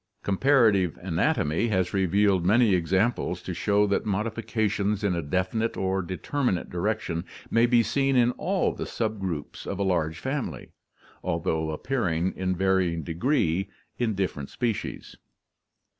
Comparative anatomy has revealed many examples to show that modifications in a definite or determinate ' direction may be seen in all the sub groups of a large family, al though appearing in varying de gree in different species.